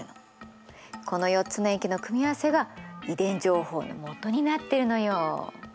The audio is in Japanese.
この４つの塩基の組み合わせが遺伝情報のもとになってるのよ。